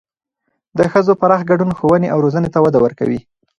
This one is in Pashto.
د ښځو پراخ ګډون ښوونې او روزنې ته وده ورکوي.